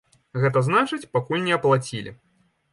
Гэта значыць, пакуль не аплацілі.